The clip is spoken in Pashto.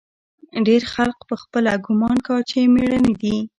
ډېر خلق پخپله ګومان کا چې مېړني دي.